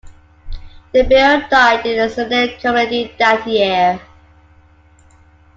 The bill died in a Senate committee that year.